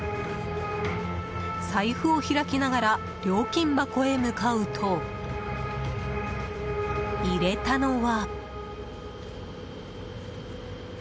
財布を開きながら料金箱へ向かうと、入れたのは。